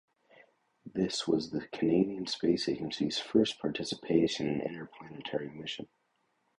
This was the Canadian Space Agency's first participation in an interplanetary mission.